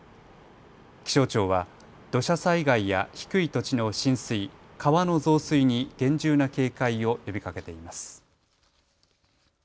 気象庁は土砂災害や低い土地の浸水、川の増水に厳重な警戒を呼びかけています。